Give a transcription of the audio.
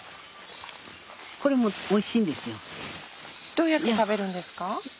どうやって食べるんですか？